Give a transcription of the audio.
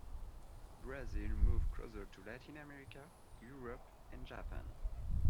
Brazil moved closer to Latin America, Europe, and Japan.